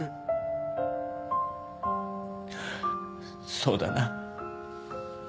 そうだな。